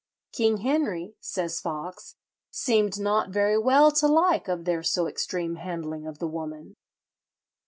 "King Henry," says Foxe, "seemed not very well to like of their so extreme handling of the woman."